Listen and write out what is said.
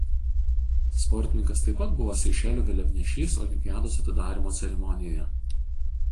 Sportininkas taip pat buvo Seišelių vėliavnešys olimpiados atidarymo ceremonijoje.